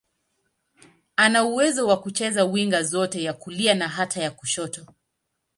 Ana uwezo wa kucheza winga zote, ya kulia na hata ya kushoto.